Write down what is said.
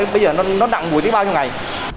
bây giờ nó nặng mùi tới bao nhiêu ngày